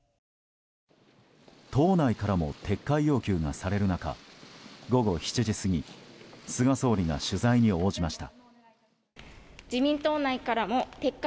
党内からも撤回要求がされる中午後７時過ぎ菅総理が取材に応じました。